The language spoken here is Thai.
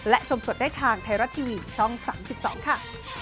และชมสดได้ทางไทยรัฐทีวีช่อง๓๒ค่ะ